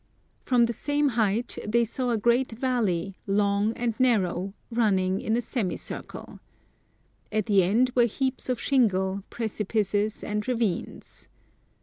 From the same height they saw a great valley, long and narrow, running in a semicircle. At the end were heaps of shingle, precipices, and ravines.